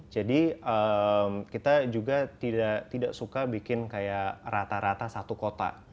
jadi kita juga tidak suka bikin rata rata satu kota